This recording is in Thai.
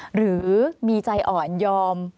หรือมีใจอ่อนยอม